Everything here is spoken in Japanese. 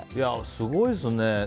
すごいですね。